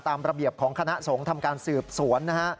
ตามระเบียบของคณะสงฆ์ทำการสืบสวนนะฮะ